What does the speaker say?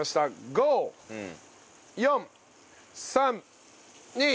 ５４３２１。